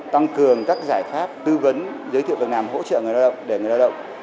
tăng cường các giải pháp tư vấn giới thiệu việc làm hỗ trợ người lao động để người lao động